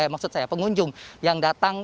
maksud saya pengunjung yang datang